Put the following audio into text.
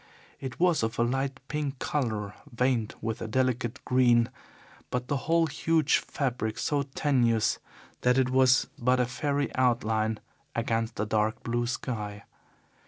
It was of a light pink colour veined with a delicate green, but the whole huge fabric so tenuous that it was but a fairy outline against the dark blue sky.